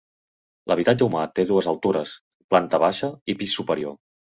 L'habitatge humà té dues altures, planta baixa i pis superior.